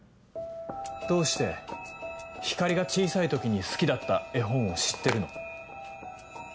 どうして光莉が小さい時に好きだった絵本を知ってるの？